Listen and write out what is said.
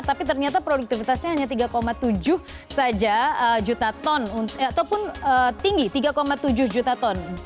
tapi ternyata produktivitasnya hanya tiga tujuh saja juta ton ataupun tinggi tiga tujuh juta ton